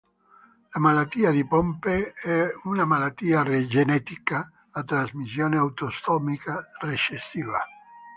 La malattia di Pompe è una malattia genetica a trasmissione autosomica recessiva.